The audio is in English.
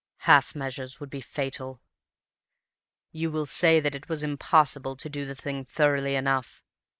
Half measures would be fatal. "You will say that it was impossible to do the thing thoroughly enough.